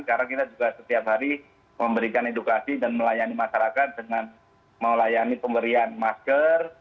karena kita juga setiap hari memberikan edukasi dan melayani masyarakat dengan melayani pemberian masker